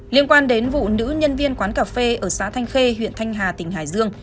liên quan đến vụ nữ nhân viên quán cà phê ở xã thanh khê huyện thanh hà tỉnh hải dương